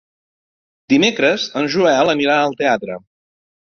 Dimecres en Joel anirà al teatre.